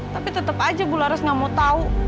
tapi tetep aja bu laras gak mau tahu